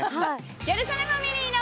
『ギャル曽根ファミリーの』。